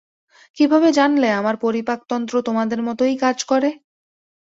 কীভাবে জানলে আমার পরিপাকতন্ত্র তোমাদের মতোই কাজ করে?